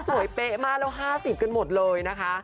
เป๊ะมากแล้ว๕๐กันหมดเลยนะคะ